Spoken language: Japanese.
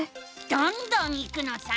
どんどんいくのさ！